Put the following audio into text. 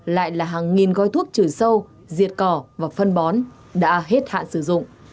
lại là hàng nghìn gói thuốc trừ sâu diệt cỏ và phân bón đã hết hạn sử dụng